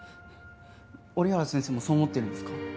折原先生もそう思ってるんですか？